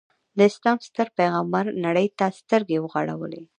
د اسلام ستر پیغمبر نړۍ ته سترګې وغړولې.